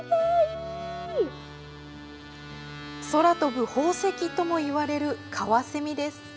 空飛ぶ宝石ともいわれるカワセミです。